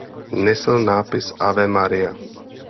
Nesl nápis Ave Maria.